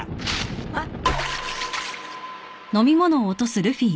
あっ！？